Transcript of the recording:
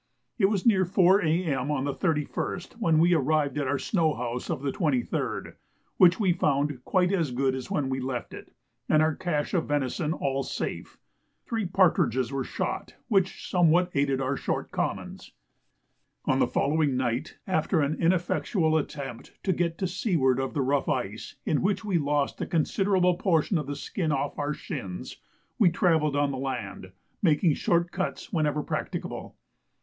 It was near 4 A.M. on the 31st when we arrived at our snow house of the 23rd, which we found quite as good as when we left it and our cache of venison all safe. Three partridges were shot, which somewhat aided our short commons. On the following night, after an ineffectual attempt to get to seaward of the rough ice, in which we lost a considerable portion of the skin off our shins, we travelled on the land, making short cuts whenever practicable.